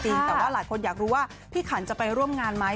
แต่ว่าหลายคนอยากรู้ว่าพี่ขันจะไปร่วมงานไหม